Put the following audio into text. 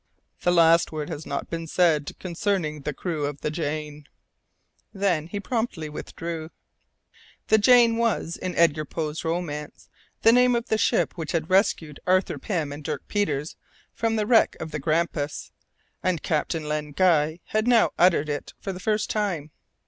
the last word has not been said concerning the crew of the Jane." Then he promptly withdrew. The Jane was, in Edgar Poe's romance, the name of the ship which had rescued Arthur Pym and Dirk Peters from the wreck of the Grampus, and Captain Len Guy had now uttered it for the first time.